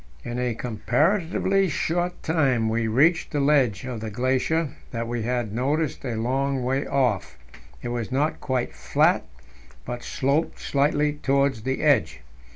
In a comparatively short time we reached the ledge in the glacier that we had noticed a long way off; it was not quite flat, but sloped slightly towards the edge.